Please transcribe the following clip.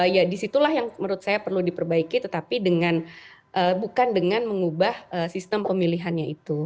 ya disitulah yang menurut saya perlu diperbaiki tetapi bukan dengan mengubah sistem pemilihannya itu